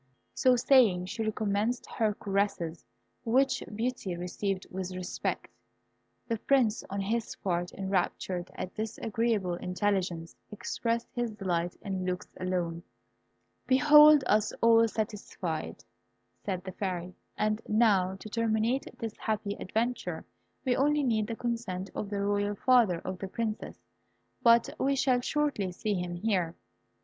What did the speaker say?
So saying, she recommenced her caresses, which Beauty received with respect. The Prince, on his part, enraptured at this agreeable intelligence, expressed his delight in looks alone. "Behold us all satisfied," said the Fairy; "and now, to terminate this happy adventure, we only need the consent of the royal father of the Princess; but we shall shortly see him here."